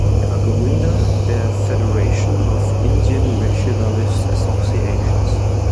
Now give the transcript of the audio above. Er war Gründer der Federation of Indian Rationalist Associations.